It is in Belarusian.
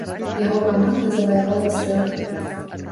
Яго каманда заваявала срэбра.